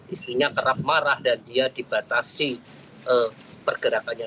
istrinya kerap marah dan dia dibatasi pergerakannya